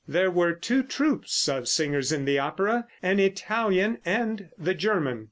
There were two troupes of singers in the opera an Italian and the German.